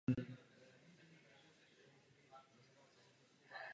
Dodnes je vidět toto skalní okno až z údolí.